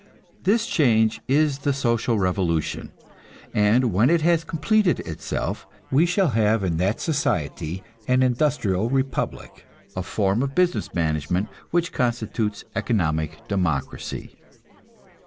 This change is the "social revolution," and when it has completed itself, we shall have in that society an Industrial Republic, a form of business management which constitutes economic democracy.